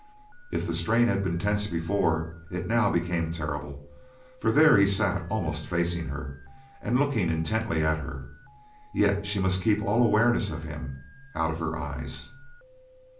If the strain had been tense before, it now became terrible; for there he sat almost facing her, and looking intently at her, yet she must keep all awareness of him out of her eyes.